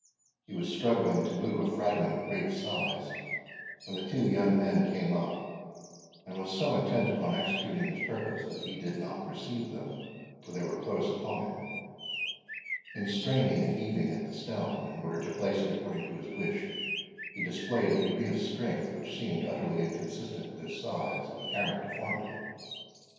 He was struggling to move a fragment of great size when the two young men came up, and was so intent upon executing his purpose, that he did not perceive them till they were close upon him. In straining and heaving at the stone, in order to place it according to his wish, he displayed a degree of strength which seemed utterly inconsistent with his size and apparent deformity.